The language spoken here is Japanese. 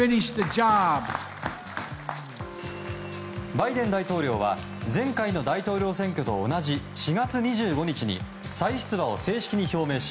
バイデン大統領は前回の大統領選挙と同じ４月２５日に再出馬を正式に表明し